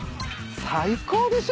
最高でしょう。